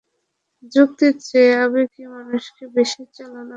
যুক্তির চেয়ে আবেগই মানুষকে বেশি চালনা করে।